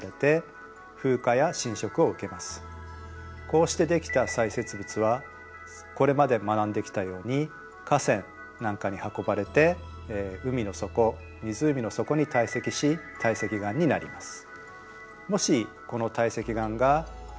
こうしてできた砕屑物はこれまで学んできたように河川なんかに運ばれて海の底湖の底に堆積し堆積岩になります。